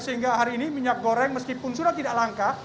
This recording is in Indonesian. sehingga hari ini minyak goreng meskipun sudah tidak langka